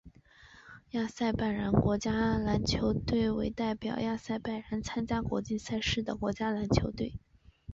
亚塞拜然国家篮球队为代表亚塞拜然参加国际赛事的国家篮球队。